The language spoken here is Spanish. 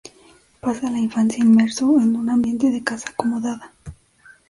Pasa la infancia inmerso en un ambiente de casa acomodada.